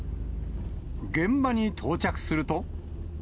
現場に到着すると。